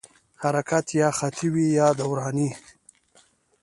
حرکت یا خطي وي یا دوراني.